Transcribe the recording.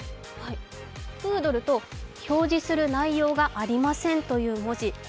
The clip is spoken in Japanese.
プードルと「表示する内容がありません」という文字。